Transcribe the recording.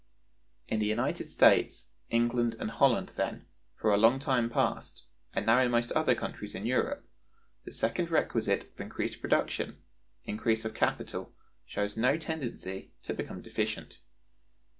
In [the United States,] England, and Holland, then, for a long time past, and now in most other countries in Europe, the second requisite of increased production, increase of capital, shows no tendency to become deficient.